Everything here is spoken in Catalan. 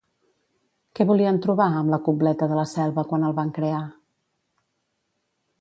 Què volien trobar amb La Cobleta de la Selva quan el van crear?